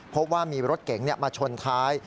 พบว่ามีรถเก๋งมาชนท้าย